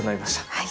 はい！